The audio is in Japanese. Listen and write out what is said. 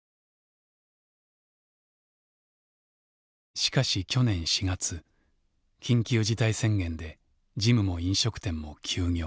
しかし去年４月緊急事態宣言でジムも飲食店も休業。